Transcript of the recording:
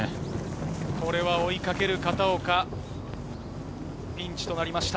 これは追いかける片岡、ピンチとなりました。